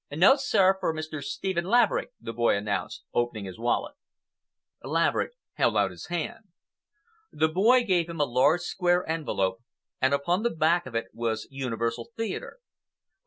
"Note, sir, for Mr. Stephen Laverick," the boy announced, opening his wallet. Laverick held out his hand. The boy gave him a large square envelope, and upon the back of it was "Universal Theatre."